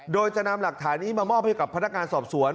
โดยจะนำหลักฐานนี้มามอบให้กับพนักงานสอบสวน